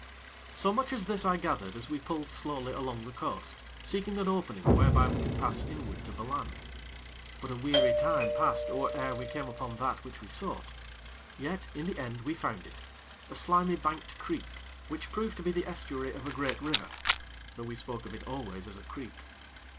So much as this I gathered as we pulled slowly along the coast, seeking an opening whereby we could pass inward to the land; but a weary time passed or ere we came upon that which we sought. Yet, in the end, we found it a slimy banked creek, which proved to be the estuary of a great river, though we spoke of it always as a creek.